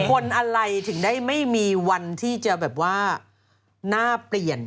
คนอะไรถึงได้ไม่มีวันที่จะแบบว่าหน้าเปลี่ยน